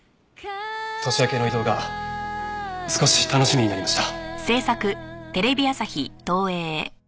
年明けの異動が少し楽しみになりました。